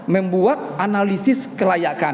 membuat analisis kelayakan